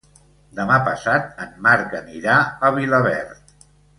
Demà passat en Marc anirà a Vilaverd.